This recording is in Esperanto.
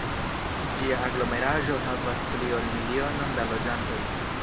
Ĝia aglomeraĵo havas pli ol milionon da loĝantoj.